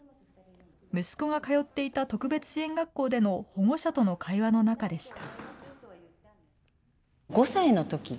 息子が通っていた特別支援学校での保護者との会話の中でした。